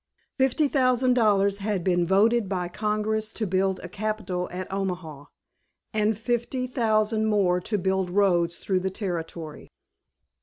Fifty thousand dollars had been voted by Congress to build a capitol at Omaha, and fifty thousand more to build roads through the Territory.